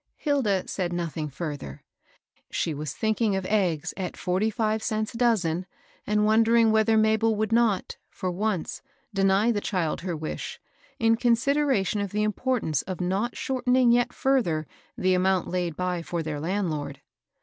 Hilda said nothing further. She was thinking of eggs at forty five cents a dozen, and wondering whether Mabel would not, for once, deny the child her wish, in consideration o£ t\i^ \nL^QT\accvRfe ^*l ^«is^ 19 290 MABEL ROSS. thortening yet further the amount laid by for their landlord.